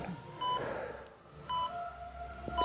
kamu sudah selesai